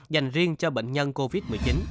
dành riêng cho bệnh nhân covid một mươi chín